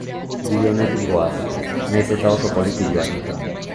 Bide onetik goaz, nahiz eta oso poliki joan.